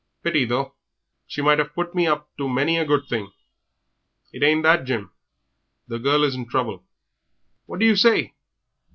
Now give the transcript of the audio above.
Pity, though; she might 'ave put me up to many a good thing." "It ain't that, Jim. The girl is in trouble." "Wot do yer say?